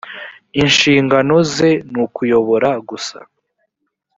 inshinganoze nukuybora gusa.